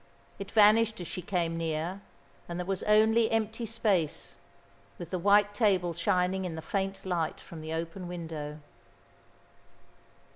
It vanished as she came near and there was only empty space, with the white table shining in the faint light from the open window.